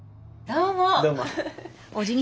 どうも。